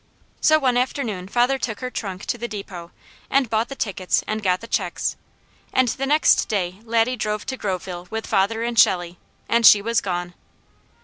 So one afternoon father took her trunk to the depot and bought the tickets and got the checks, and the next day Laddie drove to Groveville with father and Shelley, and she was gone.